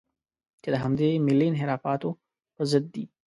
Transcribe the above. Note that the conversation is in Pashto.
چې د همدې ملي انحرافاتو په ضد دي.